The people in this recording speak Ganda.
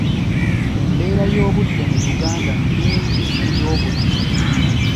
Embeera y'obudde mu Uganda nnungi mu byobulimi.